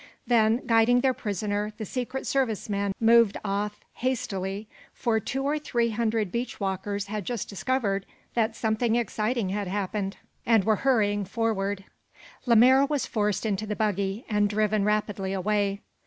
Then, guiding their prisoner, the Secret Service men moved off hastily, for two or three hundred beach walkers had just discovered that something exciting had happened, and were hurrying forward. Lemaire was forced into the buggy and driven rapidly away.